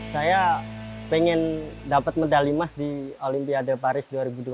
saya ingin mendapat medali emas di olympia de paris dua ribu dua puluh empat